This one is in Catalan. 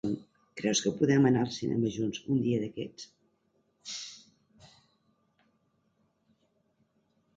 Creus que podrem anar al cinema junts un dia d'aquests?